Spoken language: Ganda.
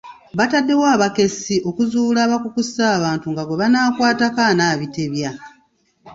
Baataddewo abakessi okuzuula abakukusa abantu nga gwe banaakwataatako anaabitebya.